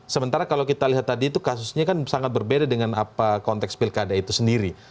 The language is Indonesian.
sementara kalau kita lihat tadi itu kasusnya kan sangat berbeda dengan apa konteks pilkada itu sendiri